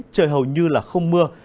trời hầu như là không mưa